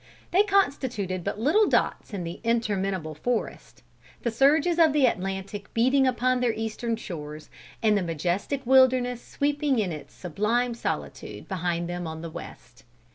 They constituted but little dots in the interminable forest: the surges of the Atlantic beating upon their eastern shores, and the majestic wilderness sweeping in its sublime solitude behind them on the west.